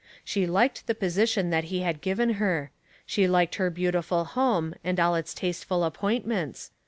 She liked the position that he had given her ; she liked her beautiful home, and all its tasteful appointments